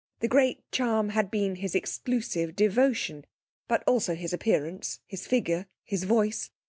The great charm had been his exclusive devotion but also his appearance, his figure, his voice.